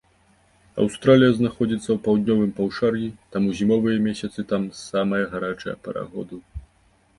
Аўстралія знаходзіцца ў паўднёвым паўшар'і, таму зімовыя месяцы там самая гарачая пара году.